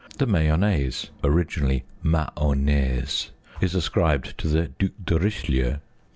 The mayonnaise (originally mahonnaise) is ascribed to the due de Richelieu.